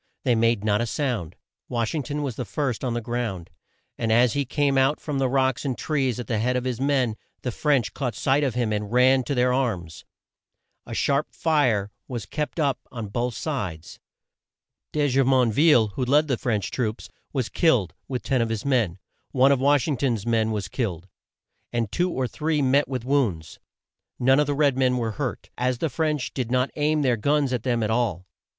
They made not a sound. Wash ing ton was the first on the ground, and as he came out from the rocks and trees at the head of his men, the French caught sight of him and ran to their arms. A sharp fire was kept up on both sides. De Ju mon ville, who led the French troops, was killed, with ten of his men. One of Wash ing ton's men was killed, and two or three met with wounds. None of the red men were hurt, as the French did not aim their guns at them at all.